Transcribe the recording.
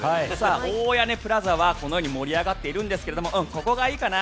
大屋根プラザはこのように盛り上がっているんですがうん、ここがいいかな。